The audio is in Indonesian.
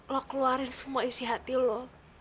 lo keluarin semua isi hati lo